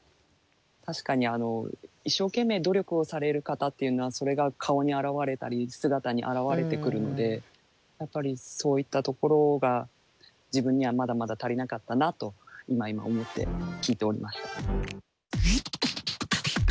確かに一生懸命努力をされる方っていうのはそれが顔に表れたり姿に表れてくるのでやっぱりそういったところが自分にはまだまだ足りなかったなと今思って聞いておりました。